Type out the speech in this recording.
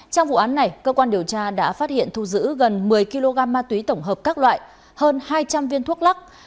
trong vụ án này cơ quan điều tra đã phát hiện thu giữ gần một mươi kg ma túy tổng hợp các loại hơn hai trăm linh viên thuốc lắc